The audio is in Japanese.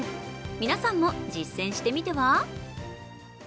皆さんも実践してみては？